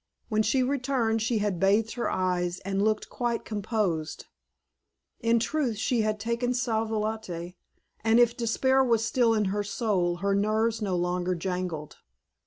When she returned she had bathed her eyes, and looked quite composed. In truth she had taken sal volatile, and if despair was still in her soul her nerves no longer jangled.